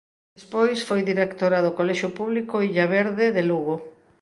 Despois foi directora do Colexio Público Illa Verde de Lugo.